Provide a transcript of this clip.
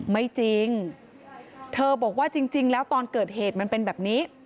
ไม่จริงเธอบอกว่าจริงแล้วตอนเกิดเหตุมันเป็นแบบนี้